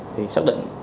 thì xác định